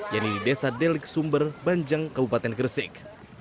yang ini desa delik sumber banjang kabupaten gresik